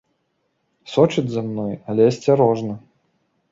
Сочаць за мной, але асцярожна.